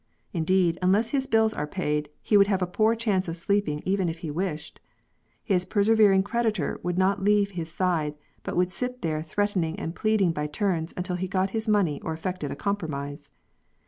Indeed, unless his bills are paid, he would have a poor chance of sleeping even if he wished. His persevering creditor would not leave his side, but would sit there threatening and pleading by turns until he got his money or effected a compromise.